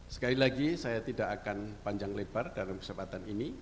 sekali lagi saya tidak akan panjang lebar dalam kesempatan ini